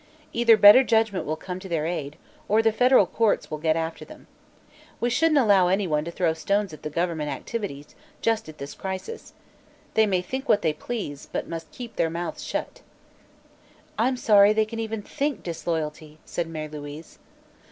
"Either better judgment will come to their aid or the federal courts will get after them. We shouldn't allow anyone to throw stones at the government activities, just at this crisis. They may think what they please, but must keep their mouths shut." "I'm sorry they can even think disloyalty," said Mary Louise.